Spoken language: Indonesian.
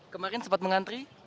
kemarin sempat mengantri